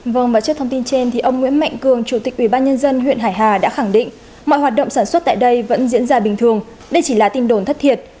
vâng và trước thông tin trên thì ông nguyễn mạnh cường chủ tịch ubnd huyện hải hà đã khẳng định mọi hoạt động sản xuất tại đây vẫn diễn ra bình thường đây chỉ là tin đồn thất thiệt